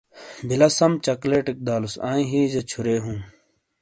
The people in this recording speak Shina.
بلہ سم چاکلیٹیک دالوس آنئ ہئ جا چھورے ہوں۔